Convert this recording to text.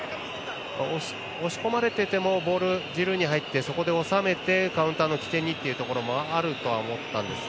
押し込まれててもボール、ジルーに入ってそこに収めてカウンターの起点にということはあるとは思ったんですが。